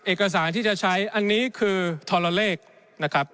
เอกสารที่จะใช้อันนี้คือทรเลขนะครับ